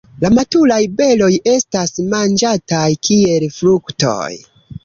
La maturaj beroj estas manĝataj kiel fruktoj.